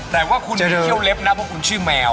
แต่ว่าคุณอย่าเที่ยวเล็บนะเพราะคุณชื่อแมว